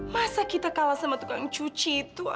masa kita kalah sama tukang cuci itu